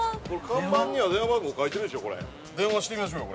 看板には、電話番号書いてるでしょう。